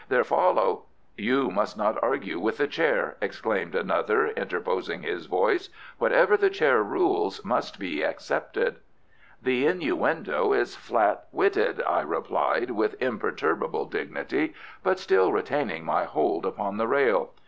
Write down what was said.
There follow " "You must not argue with the Chair," exclaimed another interposing his voice. "Whatever the Chair rules must be accepted." "The innuendo is flat witted," I replied with imperturbable dignity, but still retaining my hold upon the rail.